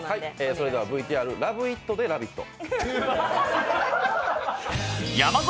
それではＶＴＲ、「ラブ・イット」で「ラヴィット！」